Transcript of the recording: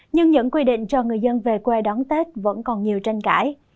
nhưng những quy định cho người dân về quê đón tết vẫn còn nhiều tranh cãi